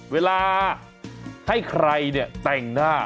เวลาให้ใครเนี่ยแต่งหน้า